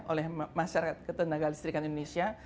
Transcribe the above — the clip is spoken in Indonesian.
oleh masyarakat ketenaga listrikan indonesia